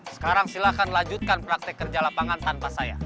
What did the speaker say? sekarang silahkan lanjutkan praktek kerja lapangan tanpa saya